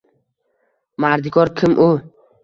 .mardikor – kim u?